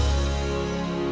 sampai jumpa lagi